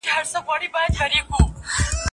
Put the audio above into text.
زه به لاس مينځلي وي؟!